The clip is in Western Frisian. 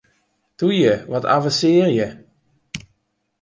Toe ju, wat avensearje!